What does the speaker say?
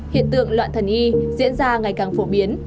hiện tượng loạn thần y diễn ra ngày càng phổ biến